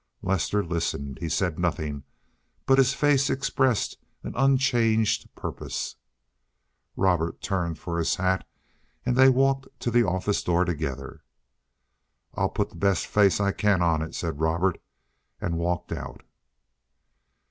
Lester listened. He said nothing, but his face expressed an unchanged purpose. Robert turned for his hat, and they walked to the office door together. "I'll put the best face I can on it," said Robert, and walked out.